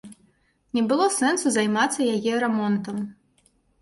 Не было сэнсу займацца яе рамонтам.